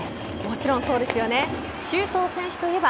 素早さももちろんそうですよね。